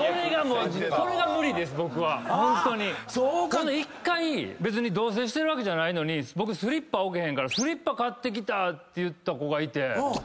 ほんで１回別に同棲してるわけじゃないのに僕スリッパ置けへんから「スリッパ買ってきた」って子がいて。